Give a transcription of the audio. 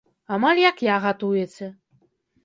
Амаль як я гатуеце.